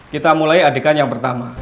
kita mulai adegan yang pertama